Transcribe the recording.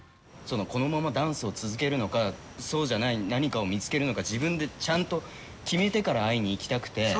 このままダンスを続けるのかそうじゃない何かを見つけるのか自分でちゃんと決めてから会いにいきたくて。